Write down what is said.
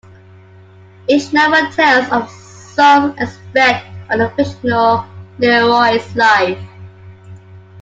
Each novel tells of some aspect of the fictional Leroy's life.